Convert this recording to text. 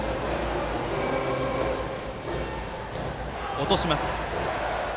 落とします。